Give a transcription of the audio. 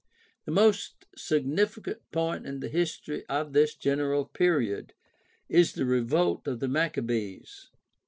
The most significant point in the history of this general period is the revolt of the Maccabees.